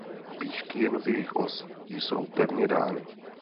Výšky jednotlivých os jsou pevně dány.